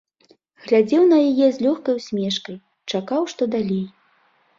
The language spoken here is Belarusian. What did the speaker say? Глядзеў на яе з лёгкай усмешкай, чакаў, што далей.